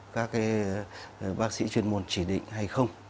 các bác sĩ chuyên môn chỉ định hay không